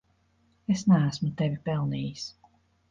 Es neesmu tevi pelnījis.